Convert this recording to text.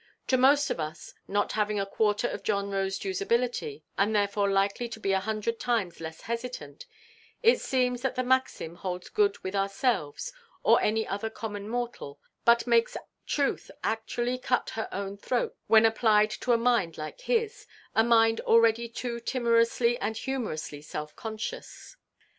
To most of us (not having a quarter of John Rosedewʼs ability, and therefore likely to be a hundred times less hesitant) it seems that the maxim holds good with ourselves, or any other common mortal, but makes Truth actually cut her own throat when applied to a mind like his—a mind already too timorously and humorously self–conscious.